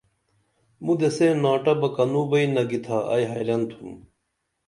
مُدے سے ناٹہ بہ کنوں بئی نگِتھا ائی حیرن تُھم